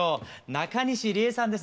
中西りえさんです。